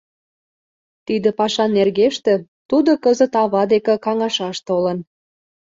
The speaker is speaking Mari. Тиде паша нергеште тудо кызыт ава деке каҥашаш толын.